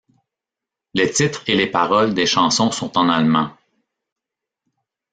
Les titres et les paroles des chansons sont en allemand.